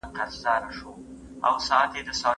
او سمسورتيا له امله هم خورا ډېر شهرت لري.